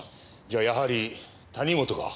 じゃあやはり谷本が。